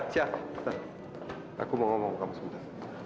saya mau ngomong sama kamu sebentar